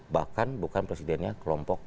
bahkan bukan presidennya kelompok